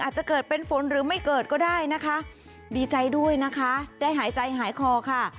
อาจจะเกิดเป็นฝนหรือไม่เกิดก็ได้นะคะดีใจด้วยนะคะได้หายใจหายคอค่ะ